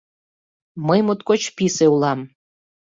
Мый моткоч писе улам!